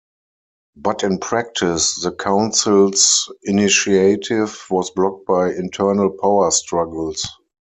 But in practice, the council's initiative was blocked by internal power struggles.